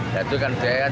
lihat itu kan dia jatuh